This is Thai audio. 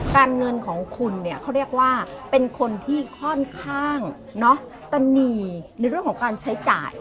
การเงินของคุณเนี่ยเขาเรียกว่าเป็นคนที่ค่อนข้างตะนีในเรื่องของการใช้จ่าย